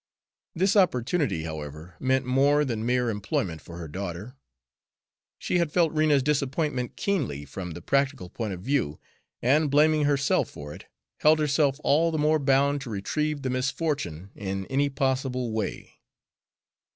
This opportunity, however, meant more than mere employment for her daughter. She had felt Rena's disappointment keenly, from the practical point of view, and, blaming herself for it, held herself all the more bound to retrieve the misfortune in any possible way.